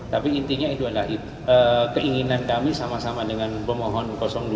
tapi intinya itu adalah keinginan kami sama sama dengan pemohon dua